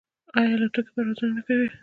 آیا الوتکې پروازونه نه کوي؟